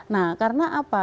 nah karena apa